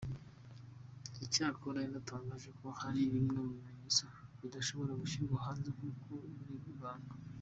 Cyakora yanatangaje ko hari bimwe mu bimenyetso bidashobora gushyirwa hanze ngo kuko bikiri ibanga.